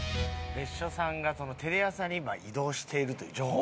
別所さんがテレ朝に今移動しているという情報が。